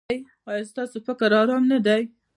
ایا ستاسو فکر ارام نه دی؟